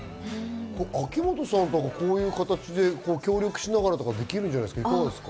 秋元さんとか、こういう形で協力しながらできるんじゃないですか？